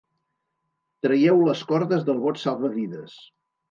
Traieu les cordes del bot salvavides.